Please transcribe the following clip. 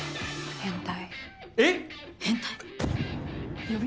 変態。